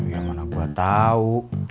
ya mana gue tau